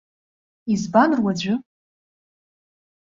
Избан, руаӡәы?!